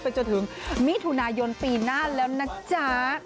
จนถึงมิถุนายนปีหน้าแล้วนะจ๊ะ